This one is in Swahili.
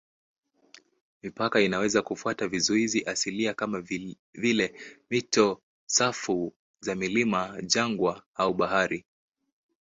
Mipaka inaweza kufuata vizuizi asilia kama vile mito, safu za milima, jangwa au bahari.